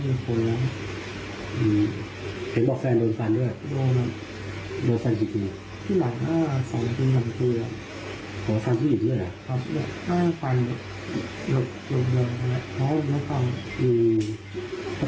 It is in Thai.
ถ้าเค้าได้อะไรไหมบังคับศีล